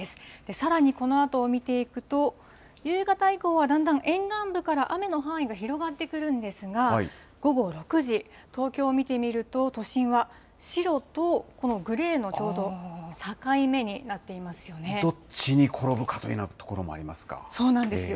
さらにこのあとを見ていくと、夕方以降はだんだん沿岸部から雨の範囲が広がってくるんですが、午後６時、東京を見てみると、都心は白とこのグレーのちょうど境目になっていますよね。